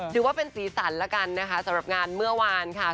ถือว่าเป็นสีสันแล้วกันนะคะสำหรับงานเมื่อวานค่ะ